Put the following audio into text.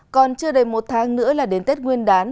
còn chưa đầy một tháng nữa là đến tết nguyên đán